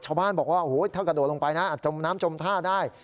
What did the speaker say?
ชาวบ้านบอกว่าโอ้โหถ้ากระโดดลงไปนะอาจจมน้ำจมท่าได้